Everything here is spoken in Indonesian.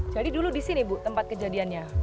jadi dulu di sini bu tempat kejadiannya